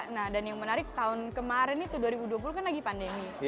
nah dan yang menarik tahun kemarin itu dua ribu dua puluh kan lagi pandemi